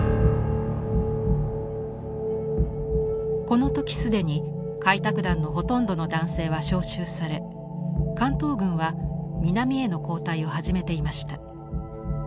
この時既に開拓団のほとんどの男性は召集され関東軍は南への後退を始めていました。